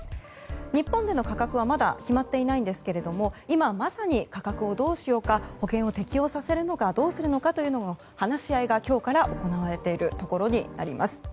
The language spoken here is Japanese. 日本での価格はまだ決まっていないんですけども今まさに価格をどうしようか保険を適用させるのかどうするのかという話し合いが今日から行われているところになります。